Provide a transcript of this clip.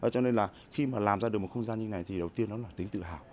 cho nên là khi mà làm ra được một không gian như này thì đầu tiên nó là tính tự hào